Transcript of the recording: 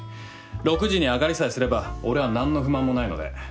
６時に上がれさえすれば俺は何の不満もないので。